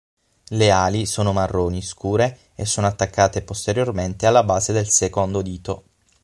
Le ali sono marroni scure e sono attaccate posteriormente alla base del secondo dito.